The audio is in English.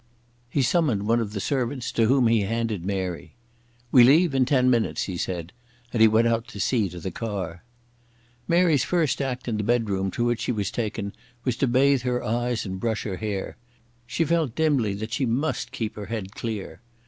He summoned one of the servants to whom he handed Mary. "We leave in ten minutes," he said, and he went out to see to the car. Mary's first act in the bedroom to which she was taken was to bathe her eyes and brush her hair. She felt dimly that she must keep her head clear.